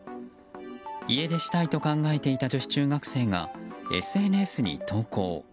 家出したいと考えていた女子中学生がＳＮＳに投稿。